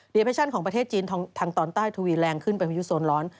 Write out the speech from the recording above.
เพชชั่นของประเทศจีนทางตอนใต้ทวีแรงขึ้นเป็นพายุโซนร้อน